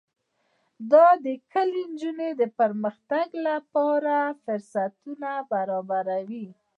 دا کلي د نجونو د پرمختګ لپاره فرصتونه برابروي.